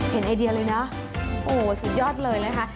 เห็นไอเดียเลยนะสุดยอดเลยเลยค่ะ